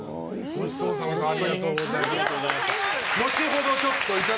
ごちそうさまでした。